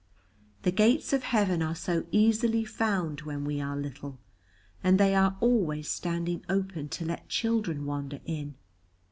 The gates of heaven are so easily found when we are little, and they are always standing open to let children wander in.